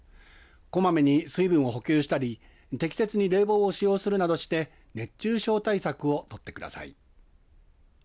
こまめに水分を補給したり適切に冷房を使用するなどして熱中症対策を取ってください。